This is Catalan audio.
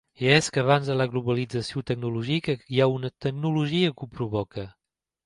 I és que abans de la globalització tecnològica hi ha una tecnologia que ho provoca.